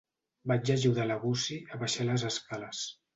Vaig ajudar la Gussie a baixar les escales.